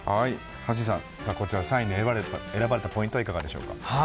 はっしーさん、こちら３位に選ばれたポイントはいかがでしょうか？